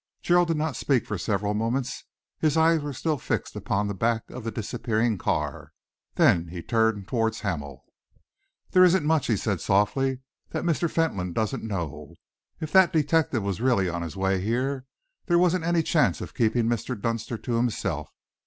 Gerald did not speak for several moments. His eyes were still fixed upon the back of the disappearing car. Then he turned towards Hamel. "There isn't much," he said softly, "that Mr. Fentolin doesn't know. If that detective was really on his way here, there wasn't any chance of keeping Mr. Dunster to himself.